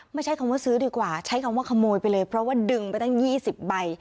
ไม่ใช่คำว่าซื้อดีกว่าใช้คำว่าขโมยไปเลยเพราะว่าดึงไปตั้ง๒๐ใบ